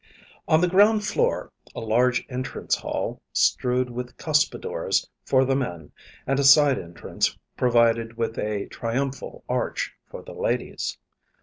On the ground floor, a large entrance hall strewed with cuspidores for the men, and a side entrance provided with a triumphal arch for the ladies.